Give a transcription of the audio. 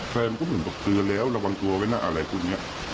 แฟนมันก็เหมือนแบบเตือนแล้วระวังตัวไว้หน้าอะไรคนนี้